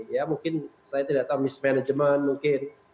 ya mungkin saya tidak tahu mismanagement mungkin